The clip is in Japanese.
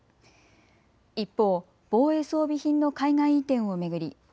一方、防衛装備品の海外移転を巡り